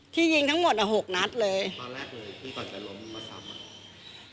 ยิงทั้งหมดอ่ะหกนัดเลยตอนแรกเลยที่ก่อนจะล้มมาซ้ำอ่ะ